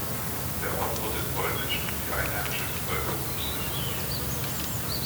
Der Ort wurde polnisch, und die einheimische Bevölkerung wurde vertrieben.